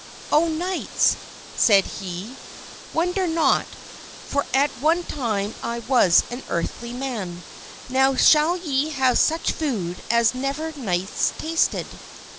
"Oh, knights," said he, "wonder not, for at one time I was an earthly man. Now shall ye have such food as never knights tasted."